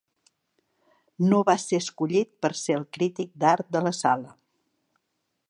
No va ser escollit per a ser el crític d'art de la sala.